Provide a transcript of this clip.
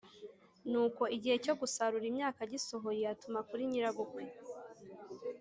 Nuko igihe cyo gusarura imyaka gisohoye atuma kuri nyirabukwe